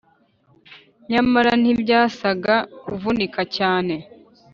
nyamara ntibyasaga kuvunika cyane